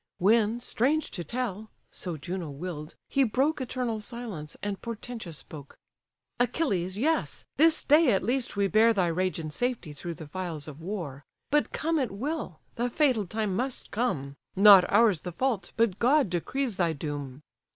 When, strange to tell! (so Juno will'd) he broke Eternal silence, and portentous spoke. "Achilles! yes! this day at least we bear Thy rage in safety through the files of war: But come it will, the fatal time must come, Not ours the fault, but God decrees thy doom.